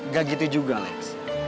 gak gitu juga lex